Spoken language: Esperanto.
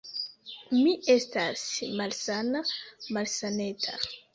Mi estas malsana, malsaneta.